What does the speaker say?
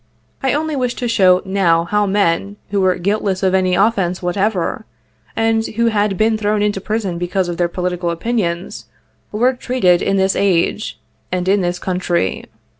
I only wish to show now how men, who were guiltless of any offence whatever, and who had been thrown into prison because of their political opinions, were treated in this age, and in this country.